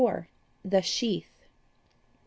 THE SHEATH. "Mr.